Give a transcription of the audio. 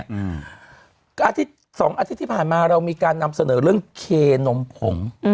อาทิตย์สองอาทิตย์ที่ผ่านมาเรามีการนำเสนอเรื่องเคนมผง